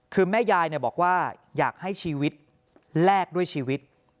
คือแม่ยายบอกว่าอยากให้ชีวิตแลกด้วยชีวิต